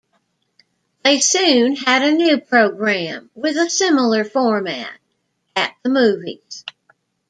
They soon had a new program with a similar format, "At the Movies".